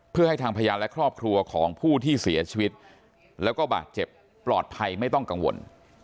เพื่อให้ทางพยานและครอบครัวของผู้ที่เสียชีวิตแล้วก็บาดเจ็บปลอดภัยไม่ต้องกังวล